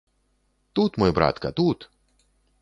Тут, мой братка, тут!